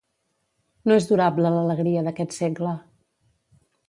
No és durable l'alegria d'aquest segle.